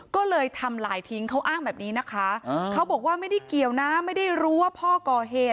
ก็เลยทำลายทิ้งเขาอ้างแบบนี้นะคะเขาบอกว่าไม่ได้เกี่ยวนะไม่ได้รู้ว่าพ่อก่อเหตุ